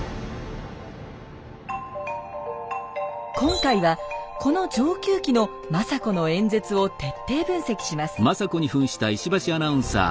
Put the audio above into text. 今回はこの「承久記」の政子の演説を徹底分析します。